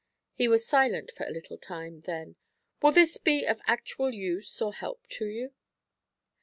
He was silent for a little time, then: 'Will this be of actual use or help to you?'